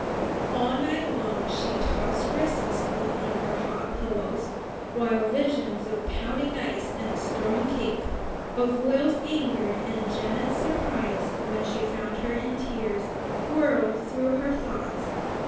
All night long she tossed restlessly on her hot pillows, while visions of pounding ice and stirring cake, of Will's anger, and Janet's surprise when she found her in tears, whirled through her thoughts.